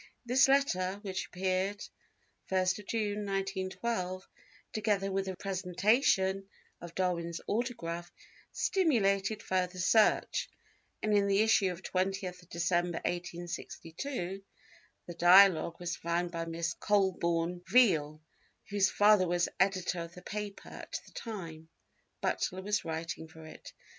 This letter, which appeared 1 June, 1912, together with the presentation of Darwin's autograph, stimulated further search, and in the issue for 20th December, 1862, the Dialogue was found by Miss Colborne Veel, whose father was editor of the paper at the time Butler was writing for it.